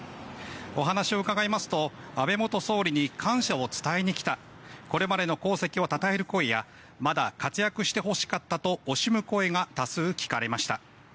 お話を伺いますと安倍元総理に感謝を伝えに来たこれまでの功績をたたえる声やまだ活躍してほしかったと惜しむ声が多数聞かれました。